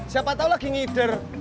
siapa tahu lagi ngider